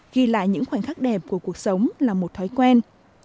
ghi lại những khoảnh khắc đẹp của cuộc sống là một thói quen